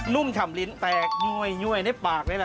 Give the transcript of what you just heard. ุ่มฉ่ำลิ้นแตกยั่วยในปากเลยล่ะ